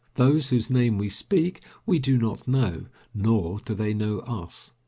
Those whose name we speak we do not know, nor do they know us.